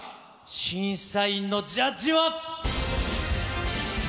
審査員のジャッジは。